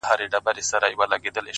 • په ښراوو, په بد نوم او په ښکنځلو,